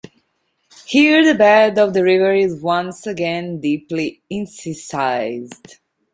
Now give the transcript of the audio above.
Here the bed of the river is once again deeply incised.